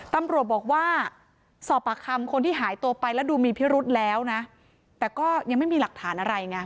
ตำรวจบอกว่าสอบปากคำคนที่หายตัวไปแล้วดูมีพิรุธแล้วนะแต่ก็ยังไม่มีหลักฐานอะไรไง